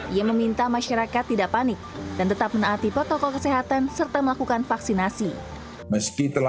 ia meminta masyarakat tidak panik dan tetap menaati protokol kesehatan serta melakukan vaksinasi